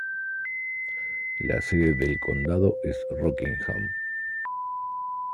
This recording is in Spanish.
La sede del condado es Rockingham.